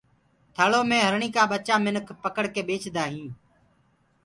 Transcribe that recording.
ٿݪو مي هرڻي ڪآ ٻچآ منک پکڙڪي ٻيچدآئين